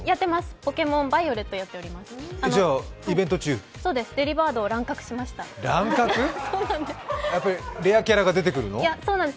「ポケモンバイオレット」をやっています。